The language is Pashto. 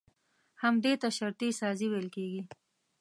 همدې ته شرطي سازي ويل کېږي.